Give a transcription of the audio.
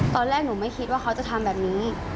ตอนแรกหนูไม่คิดว่าเขาจะทำแบบนี้